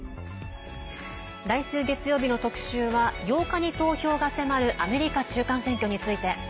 来週月曜日の特集は８日に投票が迫るアメリカ中間選挙について。